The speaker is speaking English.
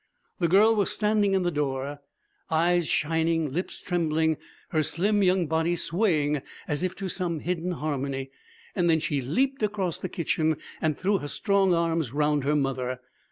The girl was standing in the door eyes shining, lips trembling, her slim young body swaying as if to some hidden harmony. Then she leaped across the kitchen, and threw her strong arms round her mother.